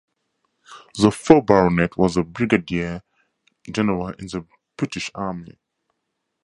The fourth Baronet was a Brigadier-General in the British Army.